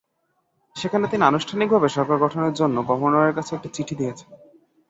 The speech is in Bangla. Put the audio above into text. সেখানে তিনি আনুষ্ঠানিকভাবে সরকার গঠনের জন্য গভর্নরের কাছে একটি চিঠি দিয়েছেন।